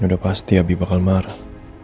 udah pasti abi bakal marah